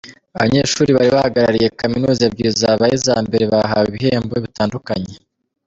Abanyeshuri bari bahagarariye kaminuza ebyiri zabaye iza mbere bahawe ibihembo bitandukanye.